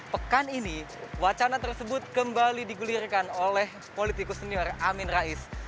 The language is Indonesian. pekan ini wacana tersebut kembali digulirkan oleh politikus senior amin rais